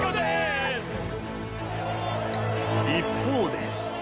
一方で。